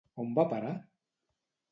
On va a parar?